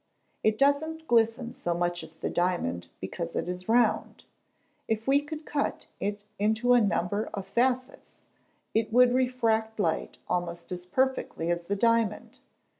It doesn't glisten so much as the diamond, because it is round if we could cut it into a number of facets, it would refract light almost as perfectly as the diamond.